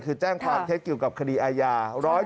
คือแจ้งความเท็จเกี่ยวกับคดีอาญา